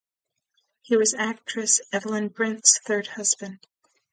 He was actress Evelyn Brent's third husband.